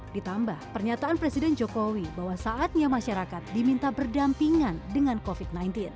ditambah pernyataan presiden jokowi bahwa saatnya masyarakat diminta berdampingan dengan covid sembilan belas